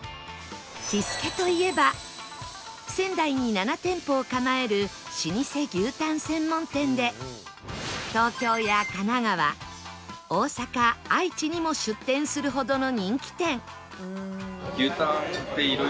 喜助といえば仙台に７店舗を構える老舗牛たん専門店で東京や神奈川大阪愛知にも出店するほどの人気店